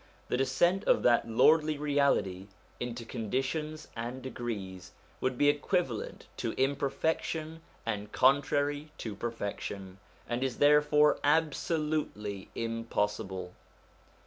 The descent of that Lordly Reality into conditions and degrees would be equivalent to imperfection and contrary to perfection, and is therefore absolutely impossible.